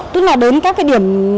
tức là đến các cái điểm